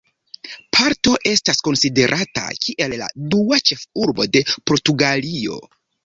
Porto estas konsiderata kiel la dua ĉefurbo de Portugalio.